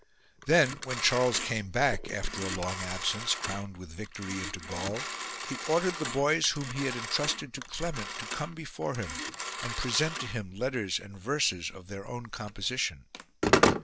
3. Then when Charles came back, after a long absence, crowned with victory, into Gaul, he ordered the boys whom he had entrusted to Clement to come before him and present to him letters and verses of their own composition.